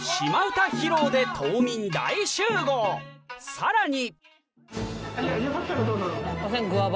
さらに！